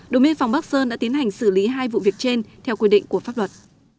đồn biên phòng bắc sơn đã tiến hành xử lý hai vụ việc trên theo quy định của pháp luật